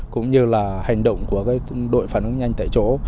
cũng như là hành động của đội phản ứng nhanh tại chỗ